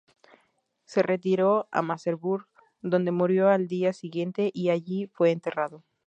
Se retiró a Merseburg, donde murió al día siguiente y allí fue enterrado.